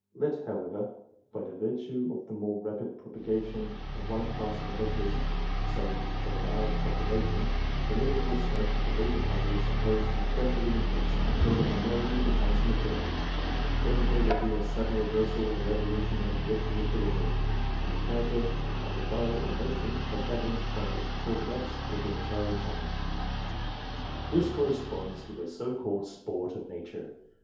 Let, however, by the virtue oiwierncJre rapid propagation of one class of electors, say of an Irish population, the numerical strength of the weaker party be supposed to gradually increase, until the minority becomes the majority, then there will be a sudden reversal or revolution of the political equilibrium, and the character of the borough or nation as evidenced by its corporate acts, will be entirely changed. This corresponds to a so called " sport " of nature.